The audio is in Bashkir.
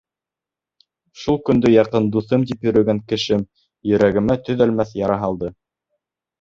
Шул көндө яҡын дуҫым тип йөрөгән кешем йөрәгемә төҙәлмәҫ яра һалды.